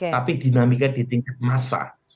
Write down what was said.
tapi dinamika di tingkat massa